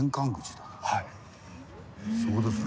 そうですね？